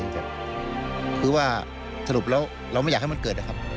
แต่คือว่าสรุปแล้วเราไม่อยากให้มันเกิดนะครับ